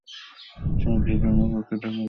সাহায্যের জন্য কাউকে ডাকার পথ ছিল সম্পূর্ণ বন্ধ।